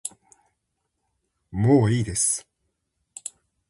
もういいです